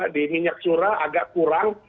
di minyak curah agak kurang